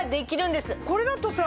これだとさ